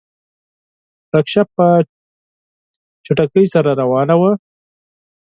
رکشه په چټکۍ سره روانه وه.